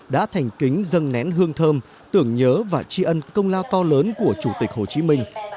đã thành kính dâng nén hương thơm tưởng nhớ và tri ân công lao to lớn của chủ tịch hồ chí minh